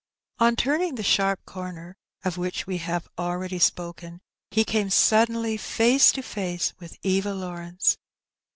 On turning the sharp corner of which we have already spoken, he came suddenly face to face with Eva Lawrence.